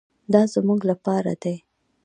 دا زموږ لپاره دي.